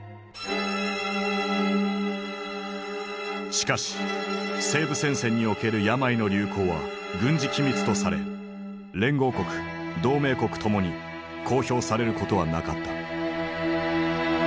しかし西部戦線における病の流行は軍事機密とされ連合国同盟国ともに公表されることはなかった。